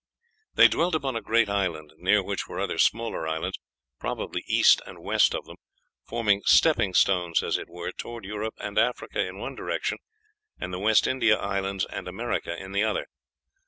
They dwelt upon a great island, near which were other smaller islands, probably east and west of them, forming stepping stones, as it were, toward Europe and Africa in one direction, and the West India Islands and America in the other.